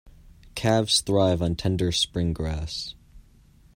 Calves thrive on tender spring grass.